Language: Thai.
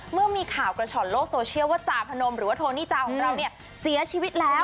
เมื่อมีข่าวกระฉ่อนโลกโซเชียลว่าจาพนมหรือว่าโทนี่จาของเราเนี่ยเสียชีวิตแล้ว